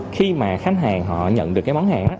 khi mà khách hàng họ nhận được cái món hàng